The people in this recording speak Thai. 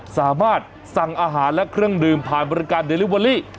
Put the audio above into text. สามารถสั่งอาหารและเครื่องดื่มผ่านบริการเดลิเวอรี่